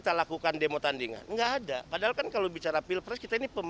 bapak kasat intelkam pores metro bekasi